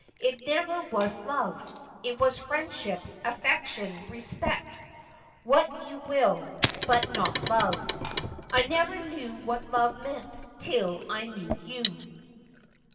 It never was love. It was friendship, affection, respect — what you will, but not love. I never knew what love meant till I knew you.'